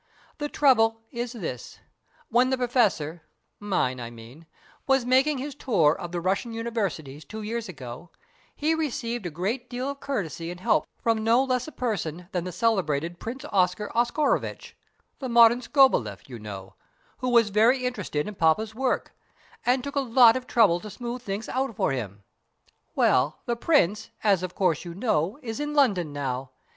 The trouble is this: When the Professor (mine, I mean) was making his tour of the Russian Universities two years ago, he received a great deal of courtesy and help from no less a person than the celebrated Prince Oscar Oscarovitch the modern Skobeleff, you know who was very interested in Poppa's work, and took a lot of trouble to smooth things out for him. Well, the Prince, as of course you know, is in London now.